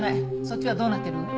そっちはどうなってるの？